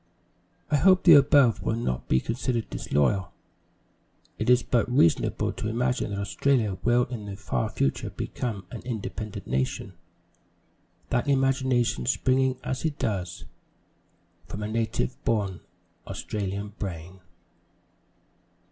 I hope the above will not be considered disloyal. It is but reasonable to imagine that Australia will in the far future become an independent nation that imagination springing as it does from a native born Australian brain.